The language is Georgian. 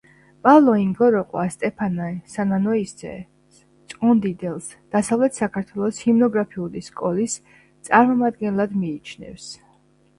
პავლე ინგოროყვა სტეფანე სანანოისძე ჭყონდიდელს დასავლეთ საქართველოს ჰიმნოგრაფიული სკოლის წარმომადგენლად მიიჩნევს.